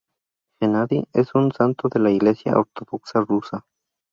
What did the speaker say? Gennadi es un santo de la Iglesia Ortodoxa Rusa.